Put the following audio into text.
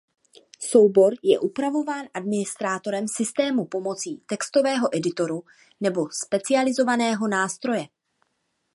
Soubor je upravován administrátorem systému pomocí textového editoru nebo specializovaného nástroje.